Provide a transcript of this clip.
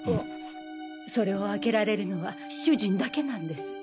それを開けられるのは主人だけなんです。